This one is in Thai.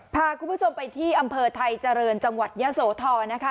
พาคุณผู้ชมไปที่อำเภอไทยเจริญจังหวัดยะโสธรนะคะ